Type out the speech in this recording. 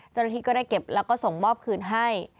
เจ้าหน้าที่ก็ได้เก็บแล้วก็ส่งมอบคืนให้